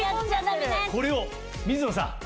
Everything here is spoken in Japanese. これを水野さん！